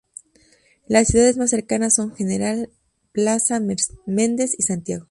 Las ciudades más cercanas son General Plaza, Mendez y Santiago.